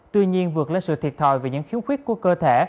tuy nhiên vượt lên sự thiệt thòi về những khiếm khuyết của cơ thể